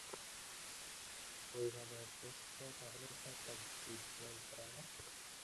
এইজন্যই সময় নাই!